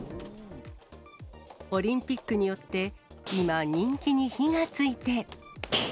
オリンピックによって、今、人気に火がついて。